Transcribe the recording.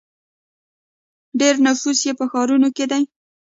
ډیری نفوس یې په ښارونو کې دی.